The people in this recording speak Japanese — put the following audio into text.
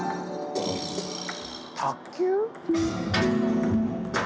卓球？